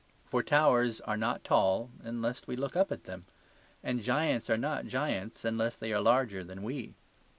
For towers are not tall unless we look up at them; and giants are not giants unless they are larger than we.